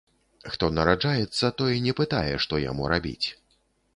Хто нараджаецца, той не пытае, што яму рабіць.